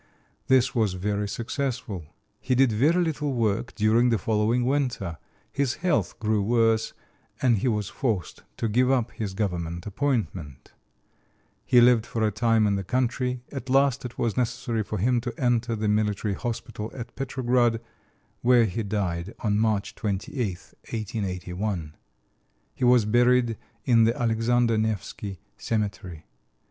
This was very successful. He did very little work during the following winter; his health grew worse, and he was forced to give up his government appointment. He lived for a time in the country. At last it was necessary for him to enter the military hospital at Petrograd, where he died on March 28, 1881. He was buried in the Alexander Nevsky cemetery.